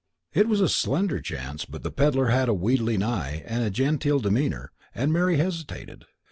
It was a slender chance, but the pedlar had a wheedling eye and a genteel demeanour, and Mary hesitated.